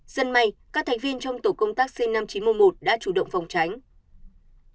dân may các thành viên trong tổ công tác c năm nghìn chín trăm một mươi một đã chủ động phòng tránh